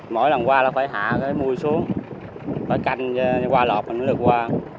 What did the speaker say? mỗi lần qua nó phải hạ cái mùi xuống phải canh qua lọt mình mới được qua